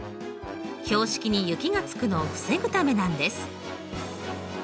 標識に雪がつくのを防ぐためなんです。